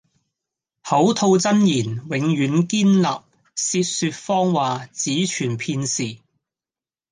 口吐真言，永遠堅立；舌說謊話，只存片時。